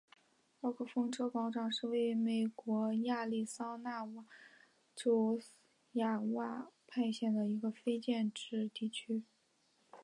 沃克风车广场是位于美国亚利桑那州亚瓦派县的一个非建制地区。